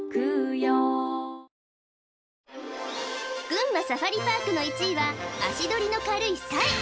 群馬サファリパークの１位は足取りの軽いサイ